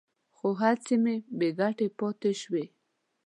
خو هڅې مې بې ګټې پاتې شوې.